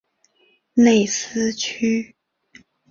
内斯屈。